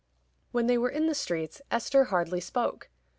When they were in the streets Esther hardly spoke.